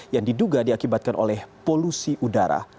yang diduga diakibatkan oleh polusi udara